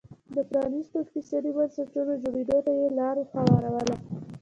د پرانیستو اقتصادي بنسټونو جوړېدو ته یې لار هواروله